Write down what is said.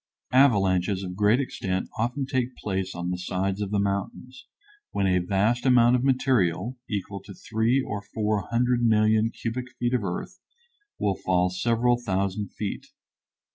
Avalanches of great extent often take place on the sides of the mountains, when a vast amount of material, equal to three or four hundred million cubic feet of earth, will fall several thousand feet.